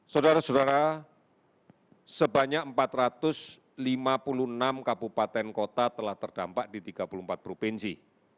saudara saudara sebanyak empat ratus lima puluh enam kabupaten kota telah terdampak di tiga puluh empat provinsi